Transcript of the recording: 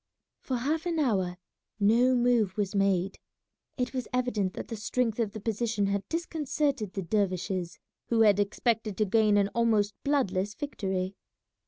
For half an hour no move was made. It was evident that the strength of the position had disconcerted the dervishes, who had expected to gain an almost bloodless victory.